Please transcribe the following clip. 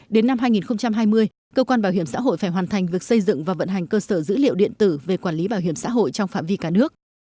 đến năm hai nghìn hai mươi cơ quan bảo hiểm xã hội phải hoàn thành việc xây dựng và vận hành cơ sở dữ liệu điện tử về quản lý bảo hiểm xã hội trong phạm vi cả nước